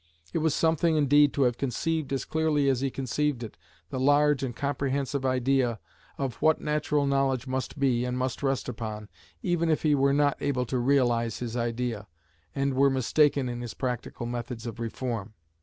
It was something, indeed, to have conceived, as clearly as he conceived it, the large and comprehensive idea of what natural knowledge must be, and must rest upon, even if he were not able to realise his idea, and were mistaken in his practical methods of reform.